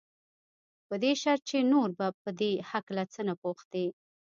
په دې شرط چې نور به په دې هکله څه نه پوښتې.